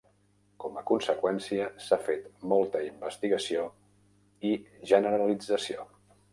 Com a conseqüència, s'ha fet molta investigació i generalització.